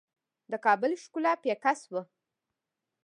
د کابل ښکلا پیکه شوه.